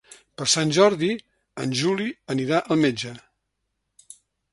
Per Sant Jordi en Juli anirà al metge.